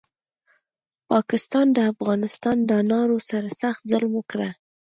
پاکستاد د افغانستان دانارو سره سخت ظلم وکړو